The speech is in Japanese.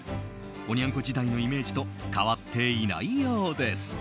おニャン子時代のイメージと変わっていないようです。